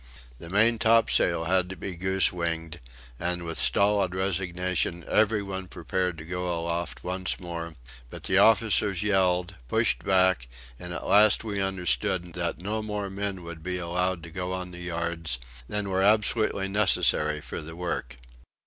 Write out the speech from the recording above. The main topsail had to be goose winged, and with stolid resignation every one prepared to go aloft once more; but the officers yelled, pushed back, and at last we understood that no more men would be allowed to go on the yard than were absolutely necessary for the work.